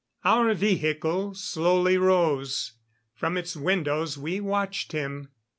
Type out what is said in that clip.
Our vehicle slowly rose. From its windows we watched him.